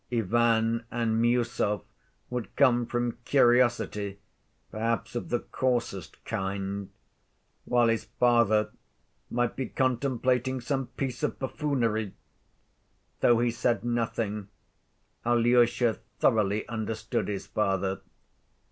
Ivan and Miüsov would come from curiosity, perhaps of the coarsest kind, while his father might be contemplating some piece of buffoonery. Though he said nothing, Alyosha thoroughly understood his father.